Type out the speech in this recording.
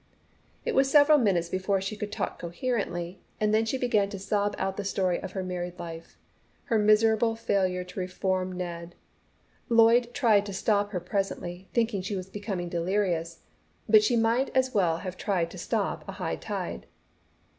It was several minutes before she could talk coherently, and then she began to sob out the story of her married life, her miserable failure to reform Ned. Lloyd tried to stop her presently, thinking she was becoming delirious, but she might as well have tried to stop a high tide.